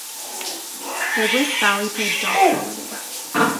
Douglas Fowley played Doc Holliday.